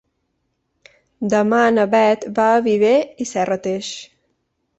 Demà na Bet va a Viver i Serrateix.